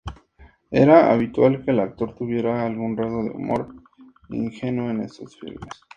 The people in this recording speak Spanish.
Era habitual que el actor tuviera algún rasgo de humor ingenuo en estos filmes.